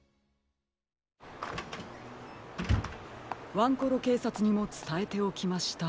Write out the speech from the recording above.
ワンコロけいさつにもつたえておきました。